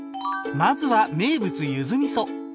まずは名物ゆずみそ